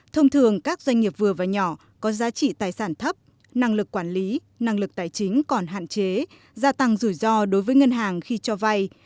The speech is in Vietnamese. thông thường các doanh nghiệp vừa và nhỏ có giá trị tài sản thấp năng lực quản lý năng lực tài chính còn hạn chế gia tăng rủi ro đối với ngân hàng khi cho vay